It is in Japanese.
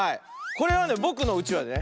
これはねぼくのうちわでね